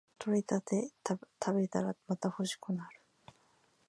採れたて食べたらまた欲しくなる